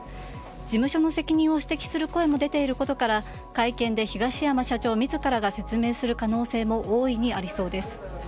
事務所の責任を指摘する声も出ていることから会見で東山社長自ら説明する可能性も大いにありそうです。